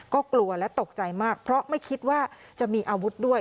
ก็กลัวและตกใจมากเพราะไม่คิดว่าจะมีอาวุธด้วย